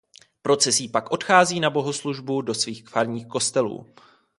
Procesí pak odchází na bohoslužbu do svých farních kostelů.